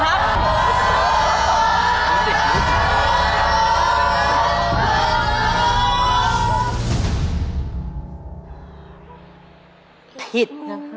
ผิดนะครับ